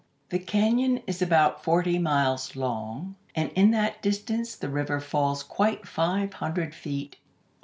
"The cañon is about forty miles long, and in that distance the river falls quite five hundred feet.